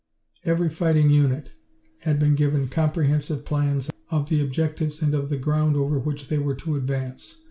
Every fighting unit had been given comprehensive plans of the objectives and of the ground over which they were to advance.